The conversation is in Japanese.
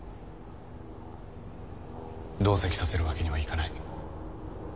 同席させるわけにはいかない。